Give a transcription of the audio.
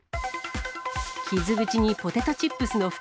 傷口にポテトチップスの袋。